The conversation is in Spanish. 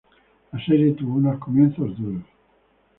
La serie tuvo unos comienzos duros.